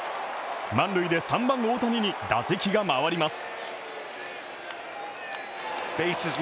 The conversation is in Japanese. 満塁で３番・大谷に打席が回ります。